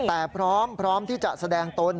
แต่พร้อมพร้อมที่จะแสดงตน